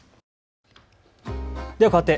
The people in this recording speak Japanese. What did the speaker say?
ではかわって＃